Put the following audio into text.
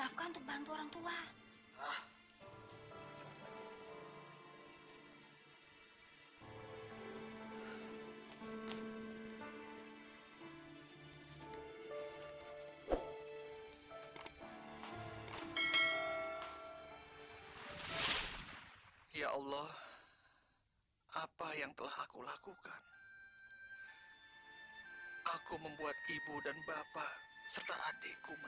mereka turun ke dunia server kamu